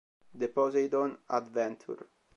The Poseidon Adventure